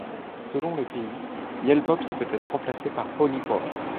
Selon les pays, Miel Pops peut être remplacé par Honey Pops.